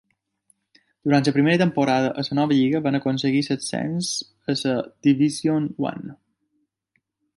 Durant la primera temporada a la nova lliga van aconseguir l'ascens a la Division One.